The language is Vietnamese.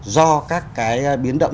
do các cái biến động